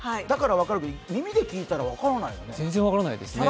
だから分かるけど、耳で聞いたら分からないよね。